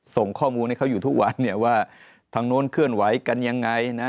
ส่งข้อมูลให้เขาอยู่ทุกวันเนี่ยว่าทางโน้นเคลื่อนไหวกันยังไงนะ